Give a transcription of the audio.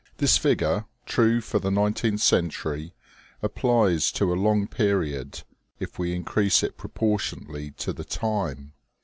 This figure, true for the nineteenth century, applies to a long period, if we increase it proportionately to the time.